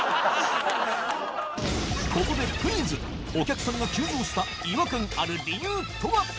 ここでクイズお客さんが急増した違和感ある理由とは？